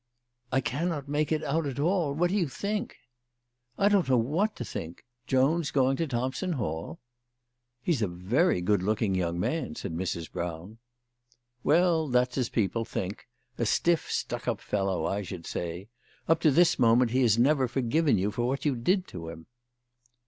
" I cannot make it out at all. What do you think ?"" I don't know what to think. Jones going to Thompson Hall?" "He's a very good looking young man," said Mrs. Brown. " Well ; that's as people think. A stiff, stuck up fellow, I should say. Up to this moment he has never forgiven you for what you did to him."